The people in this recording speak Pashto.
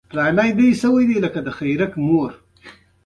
د بانک یادښت یوازې یو کاغذ دی.